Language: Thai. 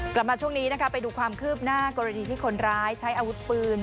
กลับมาช่วงนี้นะคะไปดูความคืบหน้ากรณีที่คนร้ายใช้อาวุธปืน